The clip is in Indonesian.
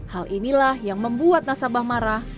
hal inilah yang membuat nasabah marah